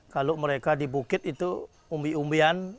kalau mereka di bukit itu umbi umbian